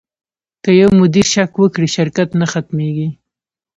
که یو مدیر شک وکړي، شرکت نه ختمېږي.